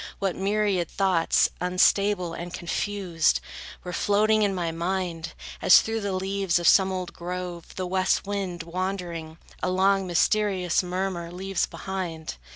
What myriad thoughts, unstable and confused, Were floating in my mind! As through the leaves Of some old grove, the west wind, wandering, A long, mysterious murmur leaves behind.